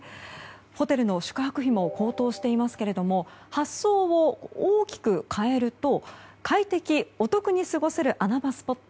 ホテルの宿泊費も高騰していますけれども発想を大きく変えると快適、お得に過ごせる穴場スポット